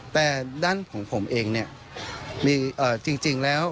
แต่ด้านของผมเองจริงแล้ว